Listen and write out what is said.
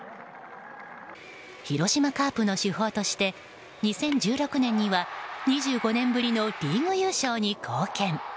広島カープの主砲として２０１６年には２５年ぶりのリーグ優勝に貢献。